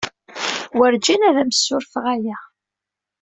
Werǧin ad am-ssurfeɣ aya.